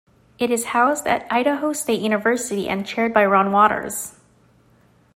It is housed at Idaho State University and chaired by Ron Watters.